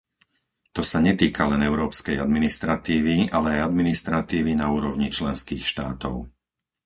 To sa netýka len európskej administratívy, ale aj administratívy na úrovni členských štátov.